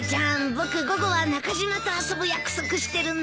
僕午後は中島と遊ぶ約束してるんだ。